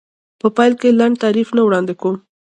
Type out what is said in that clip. په پیل کې لنډ تعریف نه وړاندې کوم.